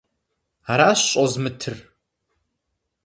Аращ щӀозмытыр!